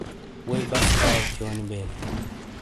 ووئی بسکاؤتھیونی بیلی۔